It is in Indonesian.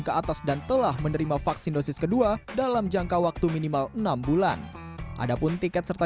ke atas dan telah menerima vaksin dosis kedua dalam jangka waktu minimal enam bulan ada pun tiket serta